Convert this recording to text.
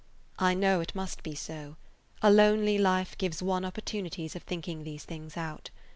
I know it must be so; a lonely life gives one opportunities of thinking these things out.